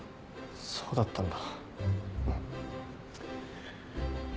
そうだったんだ。